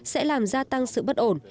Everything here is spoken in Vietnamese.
sẽ làm gia tăng sự bất ổn